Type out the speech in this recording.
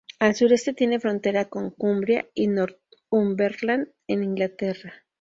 Al sureste tiene frontera con Cumbria y Northumberland, en Inglaterra.